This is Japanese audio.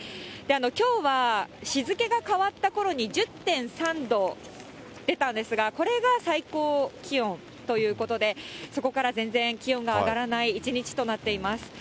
きょうは日付けが変わったころに１０．３度出たんですが、これが最高気温ということで、そこから全然、気温が上がらない一日となっています。